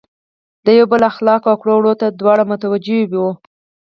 د یو بل اخلاقو او کړو وړو ته دواړه متوجه وي.